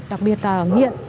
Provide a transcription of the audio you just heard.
đặc biệt là nghiện